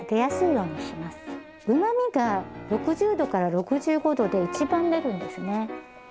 うまみが６０℃６５℃で一番出るんですね。